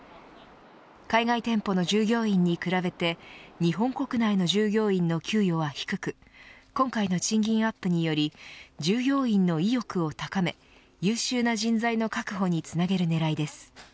海外店舗の従業員に比べて日本国内の従業員の給与は低く今回の賃金アップにより従業員の意欲を高め優秀な人材の確保につなげるねらいです。